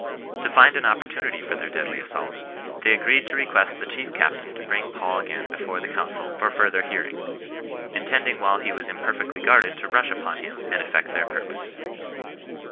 To find an opportu nity for their deadly assault, they agreed to request the chief captain to bring Paul again before the council for further nearing ; intending while he was imperfectly guarded to rush upon him and effect their purpose.